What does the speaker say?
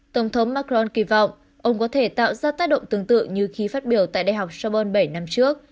tổng thống macron kỳ vọng ông có thể tạo ra tác động tương tự như khí phát biểu tại đại học serburne bảy năm trước